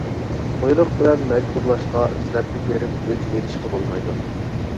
بۇيرۇق بىلەن مەجبۇرلاشقا، زەربە بېرىپ ئۆچ ئېلىشقا بولمايدۇ.